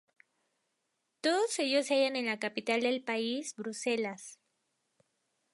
Todos ellos se hallan en la capital del país, Bruselas.